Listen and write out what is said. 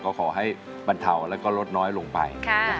ก็ขอให้บรรเทาแล้วก็ลดน้อยลงไป